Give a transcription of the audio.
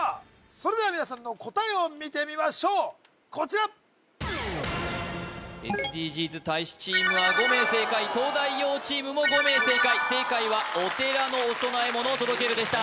それでは皆さんの答えを見てみましょうこちらＳＤＧｓ大使チームは５名正解東大王チームも５名正解正解はお寺のお供え物を届けるでした